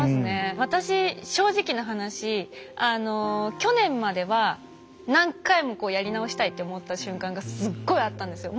私正直な話あの去年までは何回もこうやり直したいって思った瞬間がすっごいあったんですよ。